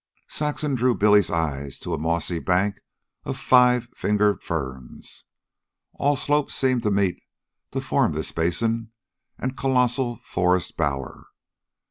Saxon drew Billy's eyes to a mossy bank of five finger ferns. All slopes seemed to meet to form this basin and colossal forest bower.